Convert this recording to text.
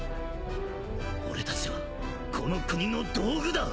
俺たちはこの国の道具だ！